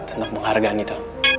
tentang penghargaan itu